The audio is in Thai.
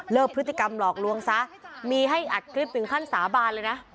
พฤติกรรมหลอกลวงซะมีให้อัดคลิปถึงขั้นสาบานเลยนะ